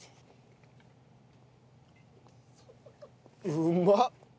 うまっ！